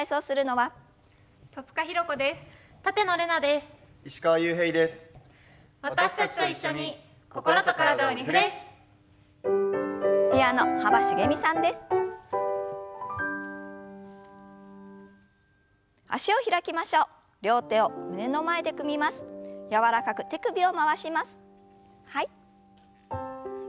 はい。